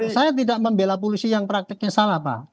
saya tidak membela polisi yang praktiknya salah pak